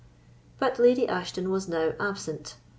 But Lady Ashton was now absent.